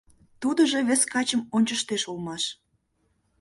Тудыжо вес качым ончыштеш улмаш.